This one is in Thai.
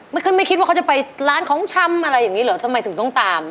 ขึ้นไม่คิดว่าเขาจะไปร้านของชำอะไรอย่างนี้เหรอทำไมถึงต้องตาม